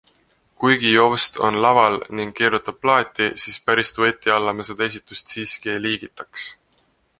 Kuigi JOWST on laval ning keerutab plaati, siis päris dueti alla me seda esitust siiski ei liigitaks.